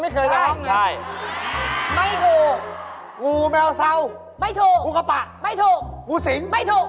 เทพมือใหม่คัดเล่น